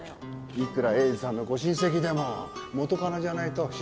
いくら栄治さんのご親戚でも元カノじゃないと出席できないんですよ。